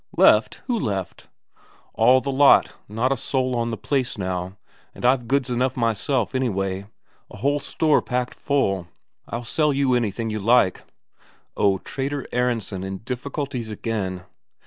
"Left? Who left?" "All the lot. Not a soul on the place now. And I've goods enough myself, anyway. A whole store packed full. I'll sell you anything you like." Oh, Trader Aronsen in difficulties again!